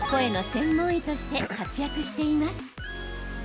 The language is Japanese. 専門医として活躍しています。